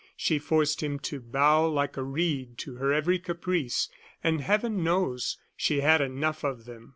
She forced him to bow like a reed to her every caprice and Heaven knows she had enough of them!